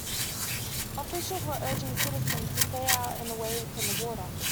Officials were urging citizens to stay out and away from the water.